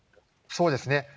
そうですね。